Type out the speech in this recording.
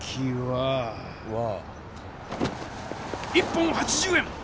１本８０円！